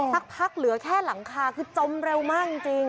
สักพักเหลือแค่หลังคาคือจมเร็วมากจริง